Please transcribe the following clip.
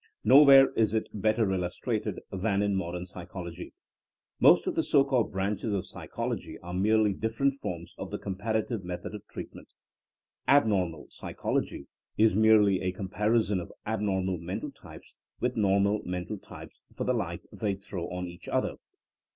Nowhere is it better illustrated than in mod ern psychology. Most of the so called branches of psychology are merely different forms of the comparative method of treatment. *' Ab normal psychology'^ is merely a comparison of abnormal mental types with normal mental types for the light they throw on each other.